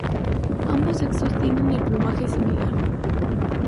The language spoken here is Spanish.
Ambos sexos tienen el plumaje similar.